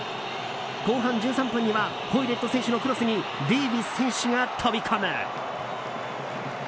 後半１３分にはホイレット選手のクロスにデイヴィス選手が飛び込む。